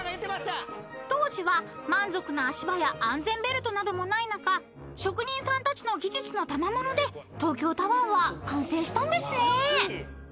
［当時は満足な足場や安全ベルトなどもない中職人さんたちの技術のたまもので東京タワーは完成したんですね］